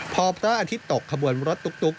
พอพระอาทิตย์ตกขบวนรถตุ๊ก